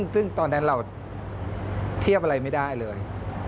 ซึ่งตอนนั้นเราเทียบอะไรไม่ได้เลย